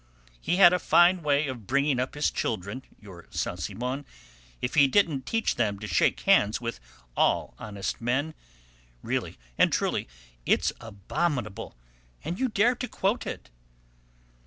He had a fine way of bringing up his children, your Saint Simon, if he didn't teach them to shake hands with all honest men. Really and truly, it's abominable. And you dare to quote it!"